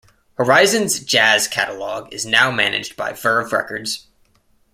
Horizon's jazz catalogue is now managed by Verve Records.